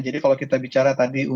jadi baik yang bisa kayak itu